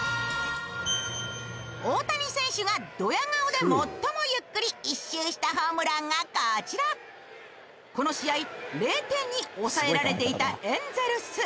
大谷選手がドヤ顔で最もゆっくり１周したホームランがこちらこの試合０点に抑えられていたエンゼルス